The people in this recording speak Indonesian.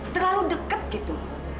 terlalu deket gitu